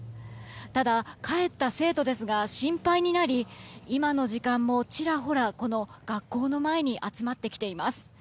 ただ、帰った生徒ですが心配になり今の時間も、ちらほら学校の前に集まってきています。